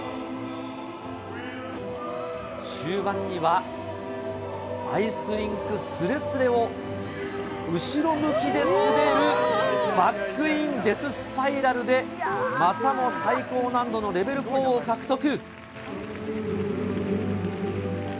終盤には、アイスリンクすれすれを後ろ向きで滑るバックインデススパイラルでまたも最高難度のレベル４を獲得。